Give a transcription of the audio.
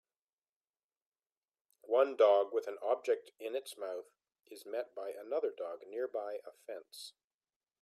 One dog with an object in its mouth is met by another dog nearby a fence